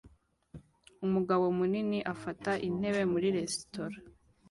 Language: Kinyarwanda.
Umugabo munini afata intebe muri resitora